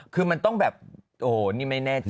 คือมันต้องแบบโอ้โหนี่ไม่แน่ใจ